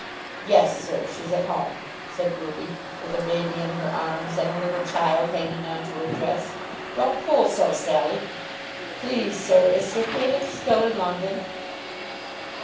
"Yes, sir; she's at home," said Ruby, with a baby in her arms and a little child hanging on to her dress. "Don't pull so, Sally. Please, sir, is Sir Felix still in London?"